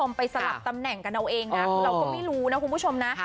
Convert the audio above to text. ไปสลับตำแหน่งกันเอาเองนะเราก็ไม่รู้นะคุณผู้ชมนะ